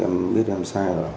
em biết em sai rồi